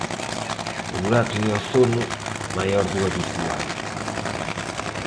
O burato de ozono, "maior do habitual".